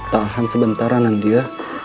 tahan sebentar anandia